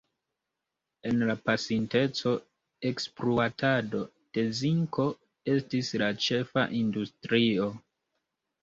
En la pasinteco, ekspluatado de zinko estis la ĉefa industrio.